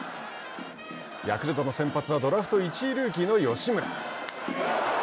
ヤクルトの先発はドラフト１位ルーキーの吉村。